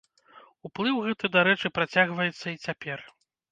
Уплыў гэты, дарэчы, працягваецца і цяпер.